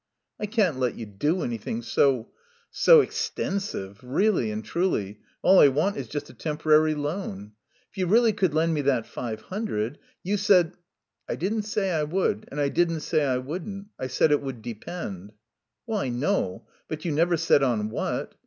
"I can't let you do anything so so extensive. Really and truly, all I want is just a temporary loan. If you really could lend me that five hundred. You said " "I didn't say I would. And I didn't say I wouldn't. I said it would depend." "I know. But you never said on what.